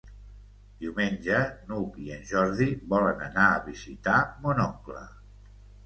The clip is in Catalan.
Diumenge n'Hug i en Jordi volen anar a visitar mon oncle.